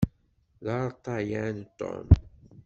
D arṭayan Tom.